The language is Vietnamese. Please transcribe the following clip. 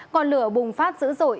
còn lửa bùng phát dữ dội